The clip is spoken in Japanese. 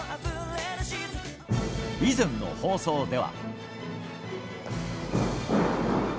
以前の放送では。